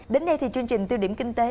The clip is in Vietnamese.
đến đây thì chương trình tiêu điểm kinh tế